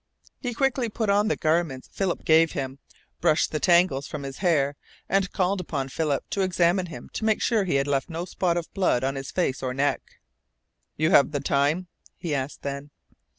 He quickly put on the garments Philip gave him, brushed the tangles from his hair, and called upon Philip to examine him to make sure he had left no spot of blood on his face or neck. "You have the time?" he asked then.